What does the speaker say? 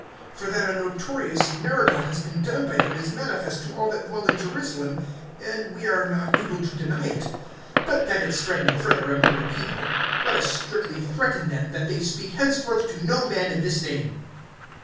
For that a notorious miracle has been done by them is manifest to all that dwell in Jerusalem, and we are not able to deny it. (17)But that it spread no further among the people, let us strictly threaten them, that they speak henceforth to no man in this name.